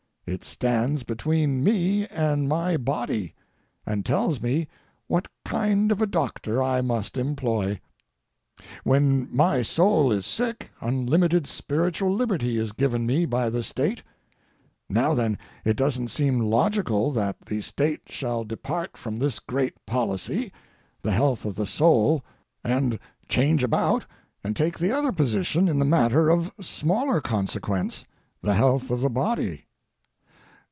It stands between me and my body, and tells me what kind of a doctor I must employ. When my soul is sick unlimited spiritual liberty is given me by the State. Now then, it doesn't seem logical that the State shall depart from this great policy, the health of the soul, and change about and take the other position in the matter of smaller consequence—the health of the body.